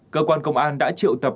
cơ quan công an đã triệu tập